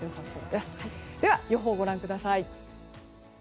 では、予報ご覧ください。